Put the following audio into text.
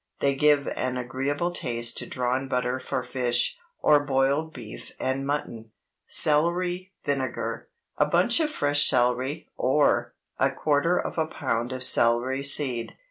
They give an agreeable taste to drawn butter for fish, or boiled beef and mutton. CELERY VINEGAR. A bunch of fresh celery, or A quarter of a pound of celery seed.